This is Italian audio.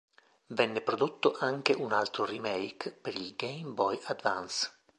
Venne prodotto anche un altro remake per Game Boy Advance.